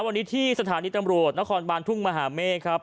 วันนี้ที่สถานีตำรวจนครบานทุ่งมหาเมฆครับ